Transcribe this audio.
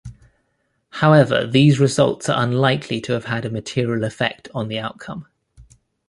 However, these results are unlikely to have had a material effect on the outcome.